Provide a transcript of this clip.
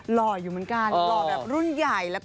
หล่ออยู่เหมือนกันหล่อแบบรุ่นใหญ่